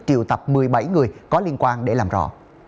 triệu tập một mươi bảy người có liên quan để làm rõ